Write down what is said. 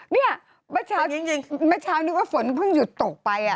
เมื่อเช้านึกว่าฝนมันพึ่งหยุดตกไป